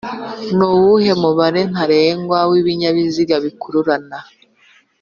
nuwuhe mubare ntarengwa w’ibinyabiziga bikururana